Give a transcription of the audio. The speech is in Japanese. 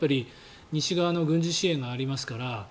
西側の軍事支援がありますから。